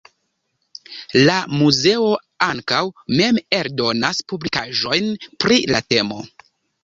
La muzeo ankaŭ mem eldonas publikaĵojn pri la temo.